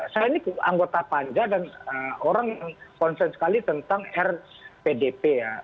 saya ini anggota panja dan orang konsen sekali tentang rpdp ya